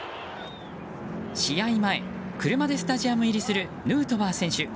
試合前、車でスタジアム入りするヌートバー選手。